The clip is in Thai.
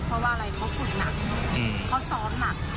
เพราะว่าอะไรเขาฝึกหนักเขาซ้อนหนัก